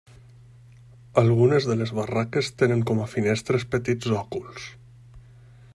Algunes de les barraques tenen com a finestres petits òculs.